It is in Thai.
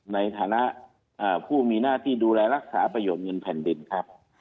ในฐานะผู้มีหน้าที่ดูแลรักษาประโยชน์เงินแผ่นดินครับ